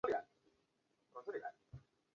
藤原镰仓时代国母。